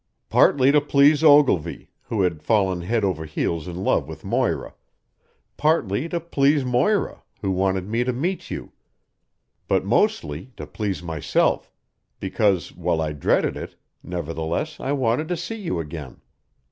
"Partly to please Ogilvy, who has fallen head over heels in love with Moira; partly to please Moira, who wanted me to meet you, but mostly to please myself, because, while I dreaded it, nevertheless I wanted to see you again.